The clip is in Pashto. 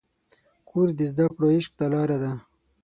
کورس د زده کړو عشق ته لاره ده.